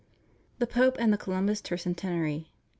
THE POPE AND THE COLUMBUS TER ^ CENTENARY.